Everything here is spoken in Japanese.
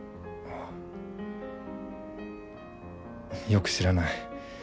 よく知らない。